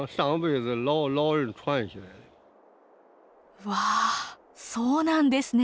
うわそうなんですね。